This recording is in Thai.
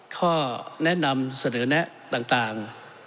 ข้อแนะนำเสนอแนะต่าง